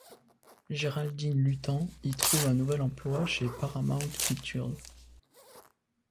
Géraldine Lutten y trouve un nouvel emploi chez Paramount Pictures.